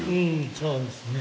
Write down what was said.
そうですね。